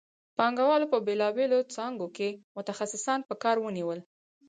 پانګوالو په بېلابېلو څانګو کې متخصصان په کار ونیول